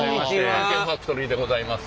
「探検ファクトリー」でございます。